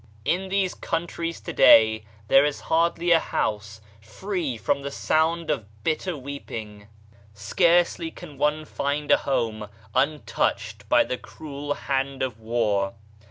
In these countries to day there is hardly a house free 106 SUFFERING OF FOREIGN RACES from the sound of bitter weeping, scarcely can one find a home untouched by the cruel hand of war.